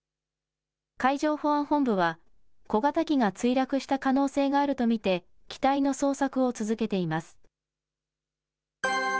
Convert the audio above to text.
海上保安本部は、小型機が墜落した可能性があると見て、機体の捜索を続けています。